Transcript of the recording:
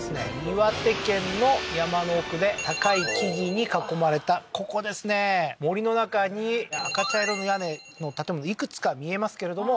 岩手県の山の奥で高い木々に囲まれたここですね森の中に赤茶色の屋根の建物いくつか見えますけれども